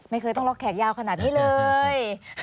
ไม่ต้องล็อกแขกยาวขนาดนี้เลย